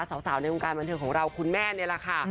สาวในวงการบันเทิงของเราคุณแม่นี่แหละค่ะ